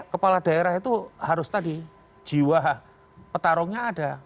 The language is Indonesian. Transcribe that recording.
kepala daerah itu harus tadi jiwa petarungnya ada